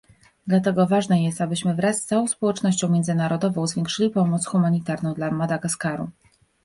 Dlatego ważne jest, abyśmy wraz z całą społecznością międzynarodową zwiększyli pomoc humanitarną dla Madagaskaru